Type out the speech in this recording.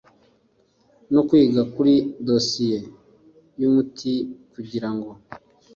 no kwiga kuri dosiye y umuti kugira ngo